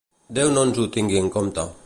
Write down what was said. Déu no ens ho tingui en compte.